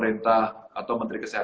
rulanya apa itu kan proses di ajar